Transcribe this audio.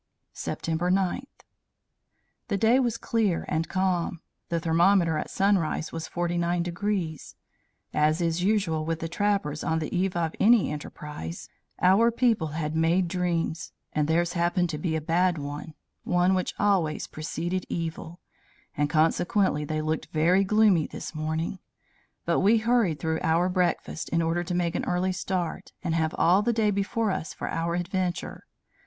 "September. 9. The day was clear and calm; the thermometer at sunrise at 49 degrees. As is usual with the trappers on the eve of any enterprise, our people had made dreams, and theirs happened to be a bad one one which always preceded evil and consequently they looked very gloomy this morning; but we hurried through our breakfast, in order to make an early start, and have all the day before us for our adventure.